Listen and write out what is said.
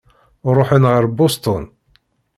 Ṛuḥen ɣer Boston.